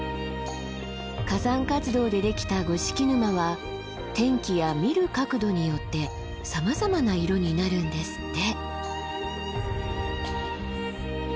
火山活動でできた五色沼は天気や見る角度によってさまざまな色になるんですって。